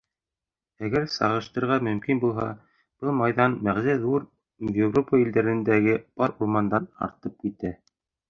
Әгәр сағыштырырға мөмкин булһа, был майҙан бәғзе ҙур Европа илдәрендәге бар урмандан артып китә.